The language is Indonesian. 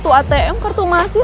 sudah lapor polisi